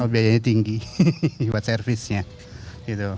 biayanya tinggi buat servisnya gitu